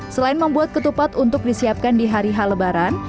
selain membuat ketupat untuk disiapkan di hari halebaran